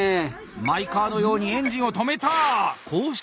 マイカーのようにエンジンを止めた！